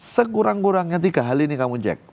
sekurang kurangnya tiga hal ini kamu cek